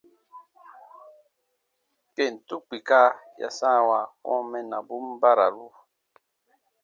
Kentu kpika ya sãawa kɔ̃ɔ mɛnnabun bararu.